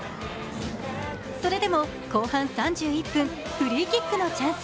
それでも後半３１分、フリーキックのチャンス。